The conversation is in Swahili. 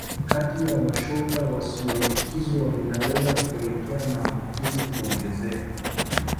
kati ya mashoga wasioambukizwa linaweza kupelekea maambukizi kuongezeka